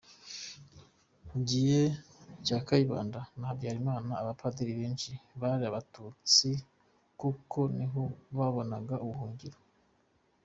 Ku gihe cya Kayibanda na Habyalimana abapadiri benshi bari abatutsi kuko niho babonaga ubuhungiro.